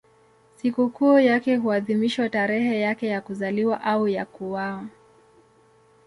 Sikukuu yake huadhimishwa tarehe yake ya kuzaliwa au ya kuuawa.